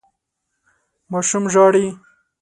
ماشوم ژاړي.